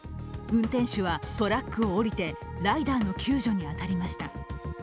運転手はトラックを降りて、ライダーの救助に当たりました。